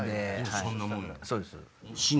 そんなもんやろ。